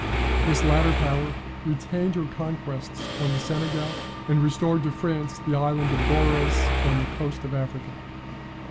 This latter power retained her conquests on the Senegal, and restored to France the island of Gores, on the coast of Africa.